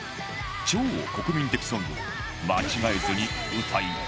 超国民的ソングを間違えずに歌いきれるか？